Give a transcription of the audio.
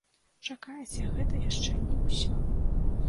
Чакайце, гэта яшчэ не ўсё.